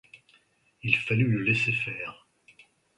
Il fallut le laisser faire